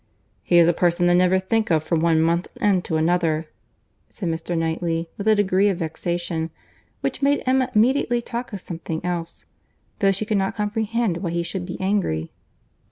"He is a person I never think of from one month's end to another," said Mr. Knightley, with a degree of vexation, which made Emma immediately talk of something else, though she could not comprehend why he should be angry.